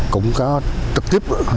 cũng có trực tiếp